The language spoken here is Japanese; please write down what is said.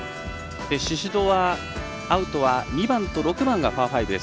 宍戸はアウトは２番と６番がパー５です。